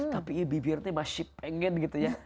tapi bibirnya masih pengen gitu ya